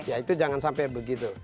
ya itu jangan sampai begitu